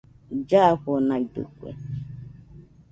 Llafonaidɨkue